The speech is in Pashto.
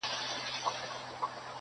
بیا به جهان راپسي ګورې نه به یمه.!